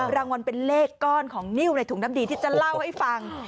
รางวัลเป็นเลขก้อนของนิ้วในถุงน้ำดีที่จะเล่าให้ฟัง